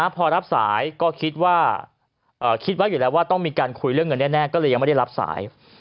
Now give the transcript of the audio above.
พอรับสายก็คิดว่าคิดไว้อยู่แล้วว่าต้องมีการคุยเรื่องเงินแน่ก็เลยยังไม่ได้รับสาย